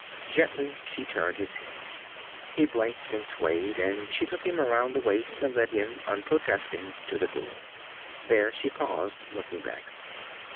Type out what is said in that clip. Gently she turned his head. He blinked and swayed, and she took him around the waist and led him unprotesting to the door. There she paused, looking back.